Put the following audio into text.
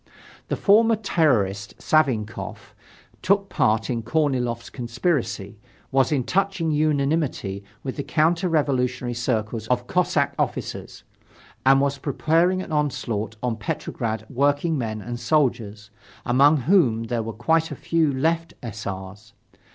The former terrorist, Savinkof, took part in Korniloff's conspiracy, was in touching unanimity with the counter revolutionary circles of Cossack officers and was preparing an onslaught on Petrograd workingmen and soldiers, among whom there were quite a few left S. R.'s.